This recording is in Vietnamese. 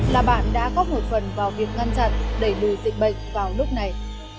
là bạn đã góp một phần vào việc ngăn chặn đẩy lùi dịch bệnh vào lúc này